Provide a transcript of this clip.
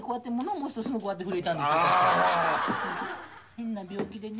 変な病気でね。